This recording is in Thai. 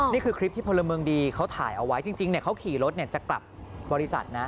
นี่คือคลิปที่พลเมืองดีเขาถ่ายเอาไว้จริงเขาขี่รถจะกลับบริษัทนะ